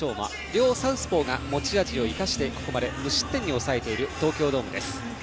両サウスポーが持ち味を生かしここまで無失点に抑えている東京ドームです。